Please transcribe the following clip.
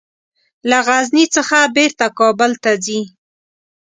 له غزني څخه بیرته کابل ته ځي.